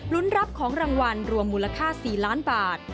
รับของรางวัลรวมมูลค่า๔ล้านบาท